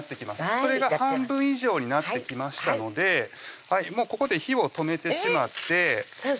それが半分以上になってきましたのでもうここで火を止めてしまってえっ先生